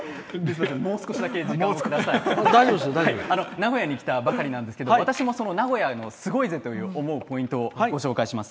名古屋に来たばかりなんですが私も、名古屋の「すごいぜ！」と思うポイントを紹介します。